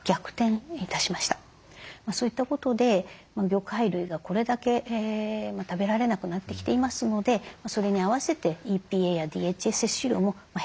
そういったことで魚介類がこれだけ食べられなくなってきていますのでそれに合わせてＥＰＡやＤＨＡ摂取量も減ってきております。